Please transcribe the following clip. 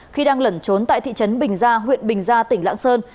khi đang lẩn trốn tại thị trấn bình gia huyện bình gia tỉnh lãng sơn